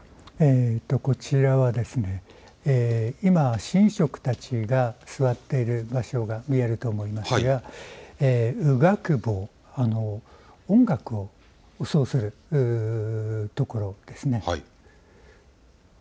こちらは今、神職たちが座っている場所が見えると思いますが右楽房、音楽を奏するところですね。